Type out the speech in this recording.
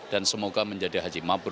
dan semoga menjadi haji mabrur